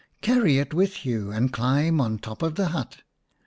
Carry it with you, and climb on top of the hut."